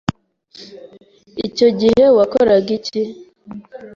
Icyo gihe wakoraga iki?